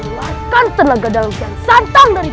aku harus mengeluhi tenaga dalam yang sangat penting